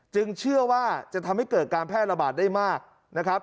เชื่อว่าจะทำให้เกิดการแพร่ระบาดได้มากนะครับ